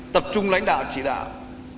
tập trung lãnh đạo chỉ đạo